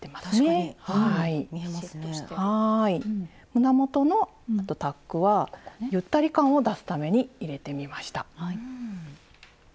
胸元のタックはゆったり感を出すために入れてみました。